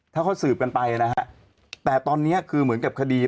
ถ้าเขาสืบกันไปนะฮะแต่ตอนนี้คือเหมือนกับคดี